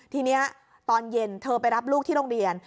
ทีนี้ตอนเย็นเธอไปรับลูกที่โรงเรียน